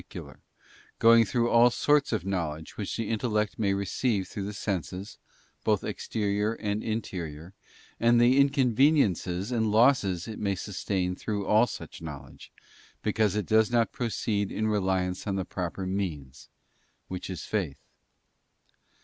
81 cular, going through all sorts of knowledge which the intellect may receive through the senses, both exterior and interior; and then the inconveniences and losses it may sustain through all such knowledge, because it does not proceed in reliance on the proper means, which is Faith.